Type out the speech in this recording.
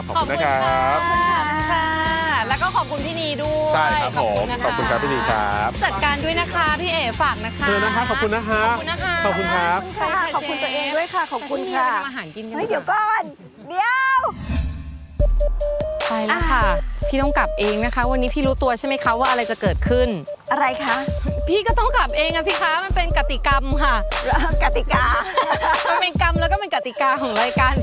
ขอบคุณนะครับขอบคุณครับขอบคุณครับแล้วก็ขอบคุณพี่นีด้วย